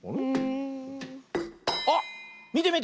あっみてみて！